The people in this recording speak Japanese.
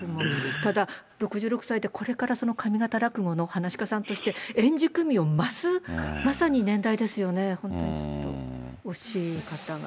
ただ６６歳で、これからその上方落語のはなし家さんとして、円熟味を増す、まさに年代ですよね、本当にちょっと惜しい方が。